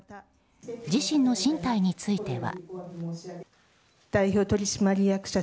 自身の進退については。